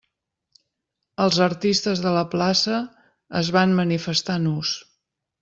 Els artistes de la plaça es van manifestar nus.